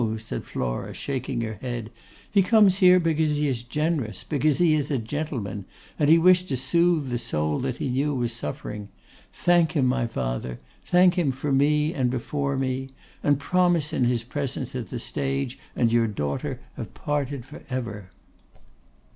said Flora, shaking her head. 'He comes here because he is generous, because he is a gentleman; and he wished to soothe the soul that he knew was suffering. Thank him, my father, thank him for me and before me, and promise in his presence that the stage and your daughter have parted for ever.